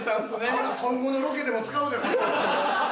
これ今後のロケでも使うで。